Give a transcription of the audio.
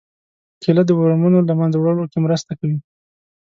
کېله د ورمونو له منځه وړو کې مرسته کوي.